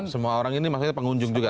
semua orang ini maksudnya pengunjung juga